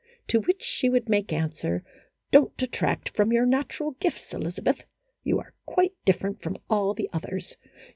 To which she would make answer :" Don't detract from your natural gifts, Elizabeth ; you are quite different from all the others.